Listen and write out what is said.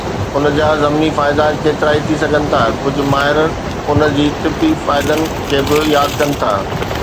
ان جا ضمني فائدا ڪيترائي ٿي سگهن ٿا، ڪجهه ماهر ان جي طبي فائدن کي به ياد ڪن ٿا.